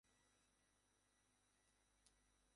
স্টেডিয়ামের আলাদা dressing room নেই।